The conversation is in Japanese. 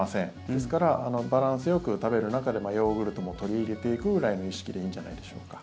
ですからバランスよく食べる中でヨーグルトも取り入れていくぐらいの意識でいいんじゃないでしょうか。